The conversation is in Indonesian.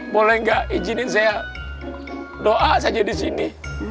boleh nggak izinin saya doa saja di sini